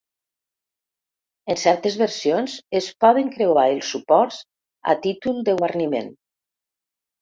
En certes versions, es poden creuar els suports, a títol de guarniment.